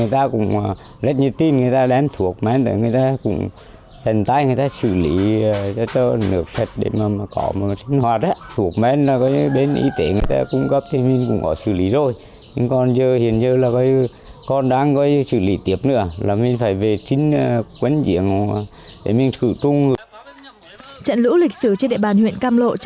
trận lũ lịch sử trên địa bàn huyện cam lộ trong thời gian qua đã làm đảm bảo vệ sinh hoạt